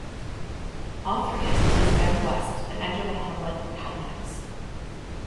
All three entities bend west and enter the hamlet of Hankins.